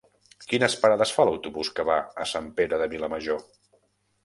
Quines parades fa l'autobús que va a Sant Pere de Vilamajor?